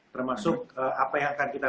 termasuk apa yang akan kita